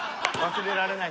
忘れられない。